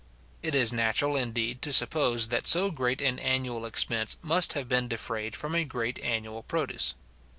It is natural, indeed, to suppose, that so great an annual expense must have been defrayed from a great annual produce.